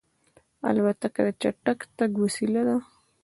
الوتکه د چټک تګ وسیله ده.